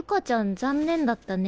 残念だったね。